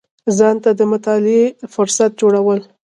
ځان ته د مطالعې فهرست جوړول